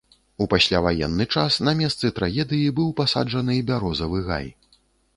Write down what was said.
У пасляваенны час на месцы трагедыі быў пасаджаны бярозавы гай.